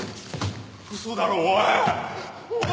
嘘だろおい。